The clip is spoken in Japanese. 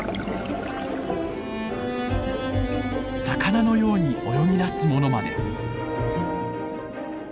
魚のように泳ぎだすものまで。